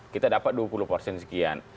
kita dapat dua puluh persen sekian